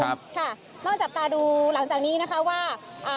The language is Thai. ค่ะนอกจับตาดูหลังจากนี้นะคะว่า